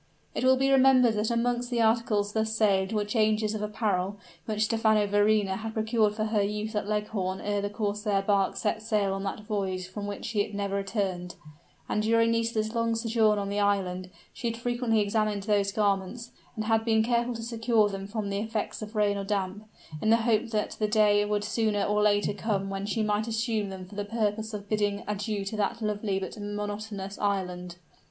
It will be remembered that amongst the articles thus saved were changes of apparel, which Stephano Verrina had procured for her use at Leghorn ere the corsair bark set sail on that voyage from which it never returned, and during Nisida's long sojourn on the island, she had frequently examined those garments, and had been careful to secure them from the effects of rain or damp, in the hope that the day would sooner or later come when she might assume them for the purpose of bidding adieu to that lovely but monotonous island.